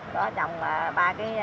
nó trồng ba cái